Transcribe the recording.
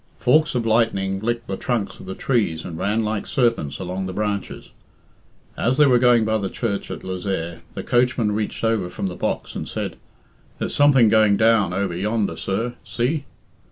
Forks of lightning licked the trunks of the trees and ran like serpents along the branches. As they were going by the church at Lezayre, the coachman reached over from the box, and said, "There's something going doing over yonder, sir. See?"